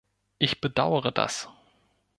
Ich bedauere das.